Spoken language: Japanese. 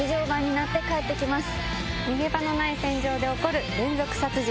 逃げ場のない船上で起こる連続殺人。